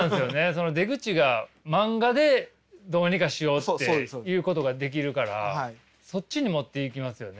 その出口が漫画でどうにかしようっていうことができるからそっちに持っていきますよね。